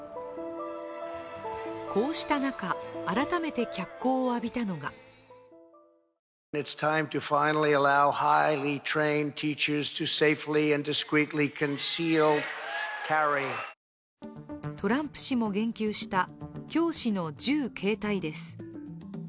こうした中、改めて脚光を浴びたのがトランプ氏も言及した教師の銃携帯です。